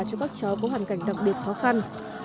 cho các cháu có hoàn cảnh đặc biệt khó khăn